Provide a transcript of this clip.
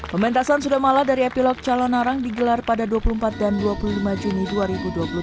pementasan sudah mala dari epilog calon arang digelar pada dua puluh empat dan dua puluh lima juni dua ribu dua puluh tiga